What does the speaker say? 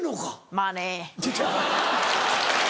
まぁね。